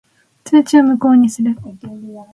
通知を無効にする。